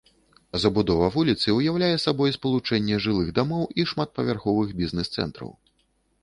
Забудова вуліцы ўяўляе сабой спалучэнне жылых дамоў і шматпавярховых бізнес-центраў.